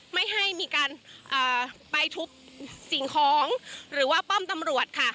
ไม่ให้มีการไปทุบสิ่งของหรือว่าป้อมตำรวจค่ะ